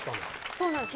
そうなんです。